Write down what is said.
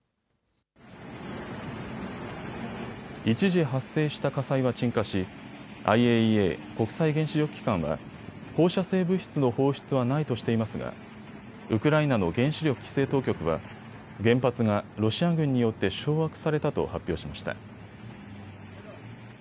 一時発生した火災は鎮火し、ＩＡＥＡ・国際原子力機関は放射性物質の放出はないとしていますがウクライナの原子力規制当局は原発がロシア軍によって掌握されたと発表しました。